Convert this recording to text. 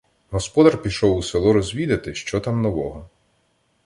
Господар пішов у село розвідати, що там нового.